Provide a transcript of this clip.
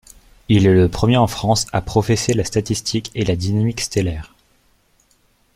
Il est le premier en France à professer la statistique et la dynamique stellaire.